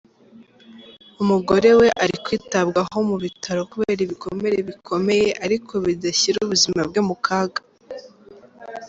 Umugore ari kwitabwaho mu bitaro kubera ibikomere bikomeye ariko bidashyira ubuzima bwe mu kaga.